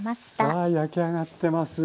さあ焼き上がってます。